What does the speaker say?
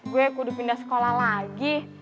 gue udah pindah sekolah lagi